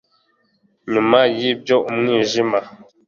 Nyuma yibyo umwijima